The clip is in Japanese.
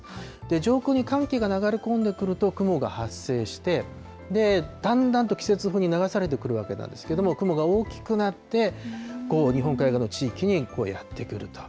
上空に寒気が流れ込んでくると雲が発生して、で、だんだんと季節風に流されてくるわけなんですけれども、雲が大きくなって、日本海側の地域にやって来ると。